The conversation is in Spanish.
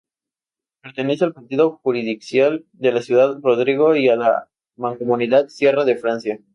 Pertenece al partido judicial de Ciudad Rodrigo y a la Mancomunidad Sierra de Francia.